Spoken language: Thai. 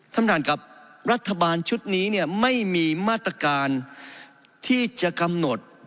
ท่านประธานครับรัฐบาลชุดนี้เนี่ยไม่มีมาตรการที่จะกำหนด